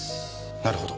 なるほど。